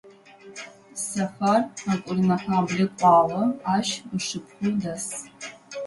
Сэфар Хьакурынэхьаблэ кӏуагъэ, ащ ышыпхъу дэс.